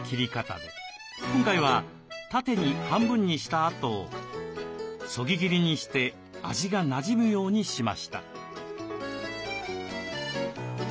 今回は縦に半分にしたあとそぎ切りにして味がなじむようにしました。